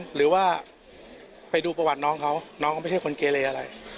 หรือว่าไปดูประวัติน้องเขาน้องเขาไม่ใช่คนเกเลอะไร